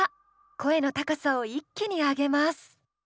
声の高さを一気に上げます。